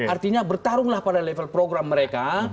artinya bertarunglah pada level program mereka